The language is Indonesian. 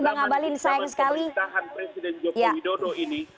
baru ada zaman perintahan presiden joko widodo ini